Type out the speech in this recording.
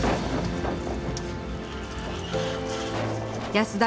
安田